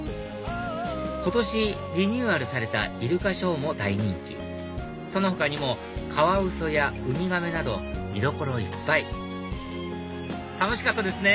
今年リニューアルされたイルカショーも大人気その他にもカワウソやウミガメなど見どころいっぱい楽しかったですね！